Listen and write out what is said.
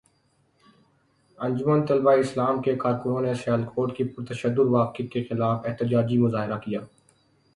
انجمن طلباء اسلام کے کارکنوں نے سیالکوٹ کے پرتشدد واقعے کے خلاف احتجاجی مظاہرہ کیا